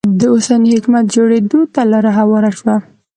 د اوسني حکومت جوړېدو ته لاره هواره شوه.